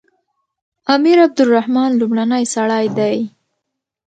امیر عبدالرحمن لومړنی سړی دی.